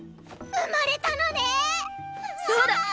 生まれたのね⁉そだ！